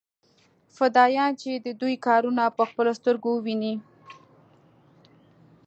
فدايان چې د دوى کارونه په خپلو سترګو وويني.